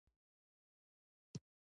درناوی د ټولنې د راوي ته لاره پرانیزي.